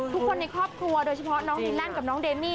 ทุกคนในครอบครัวโดยเฉพาะน้องมินแลนด์กับน้องเดมี่